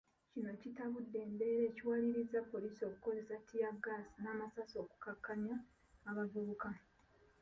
Kino kitabudde embeera ekiwalirizza poliisi okukozesa ttiyaggaasi n’amasasi okukakkaanya abavubuka.